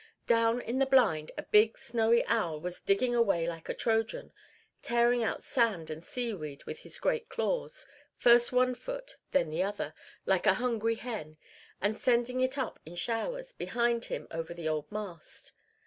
Down in the blind a big snowy owl was digging away like a Trojan, tearing out sand and seaweed with his great claws, first one foot, then the other, like a hungry hen, and sending it up in showers behind him over the old mast.